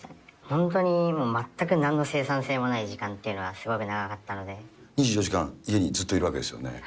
本当に全くなんの生産性もない時間っていうのがすごく長かったの２４時間家にずっといるわけですよね。